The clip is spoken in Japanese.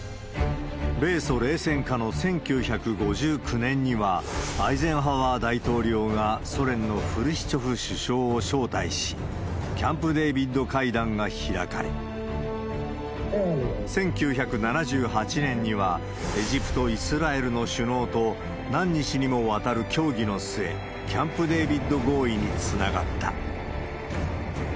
米ソ冷戦下の１９５９年には、アイゼンハワー大統領がソ連のフルシチョフ首相を招待し、キャンプ・デービッド会談が開かれ、１９７８年には、エジプト、イスラエルの首脳と何日にもわたる協議の末、キャンプ・デービッド合意につながった。